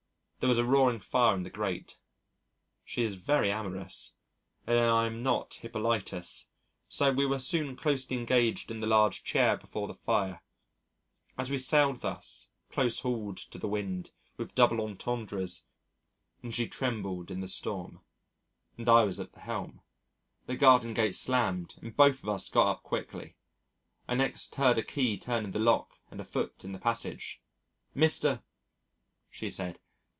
There was a roaring fire in the grate. She is very amorous and I am not Hippolytus, so we were soon closely engaged in the large chair before the fire. As we sailed thus, close hauled to the wind, with double entendres and she trembled in the storm (and I was at the helm) the garden gate slammed and both of us got up quickly. I next heard a key turn in the lock and a foot in the passage: "Mr. " she said....